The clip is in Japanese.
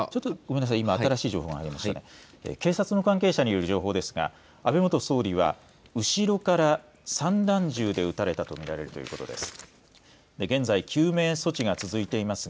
今、新しい情報が入りました警察の関係者による情報ですが安倍元総理は後ろから散弾銃で撃たれたと見られるということです。